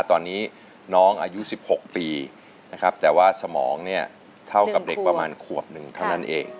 ตอนนี้น้องอายุ๑๖ปีนะครับแต่ว่าสมองเนี่ยเท่ากับเด็กประมาณขวบหนึ่งเท่านั้นเอง